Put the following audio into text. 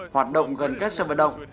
hoạt động gần các sân vật động